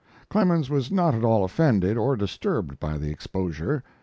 Clemens was not at all offended or disturbed by the exposure.